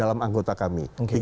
di dalam anggota kami